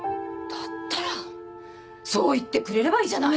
だったらそう言ってくれればいいじゃない。